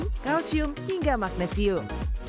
kalium kalsium hingga magnesium